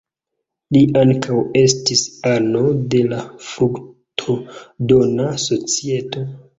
Li ankaŭ estis ano de la "Fruktodona Societo".